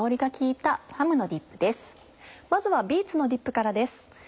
まずは「ビーツのディップ」からです。